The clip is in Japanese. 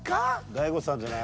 大悟さんじゃない？